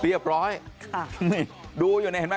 เรียบร้อยค่ะนี่ดูอยู่เนี่ยเห็นไหม